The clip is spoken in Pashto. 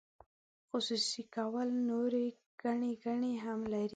خصوصي کول نورې ګڼې ګټې هم لري.